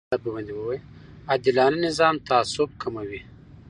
عادلانه نظام تعصب کموي